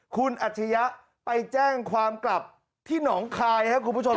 คุณอัจฉริยะไปแจ้งความกลับที่หนองคายครับคุณผู้ชม